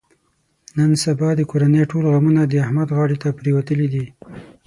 نن سبا د کورنۍ ټول غمونه د احمد غاړې ته پرېوتلي دي.